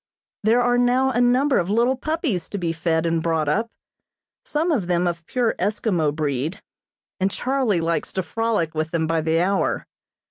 There are now a number of little puppies to be fed and brought up, some of them of pure Eskimo breed, and Charlie likes to frolic with them by the hour.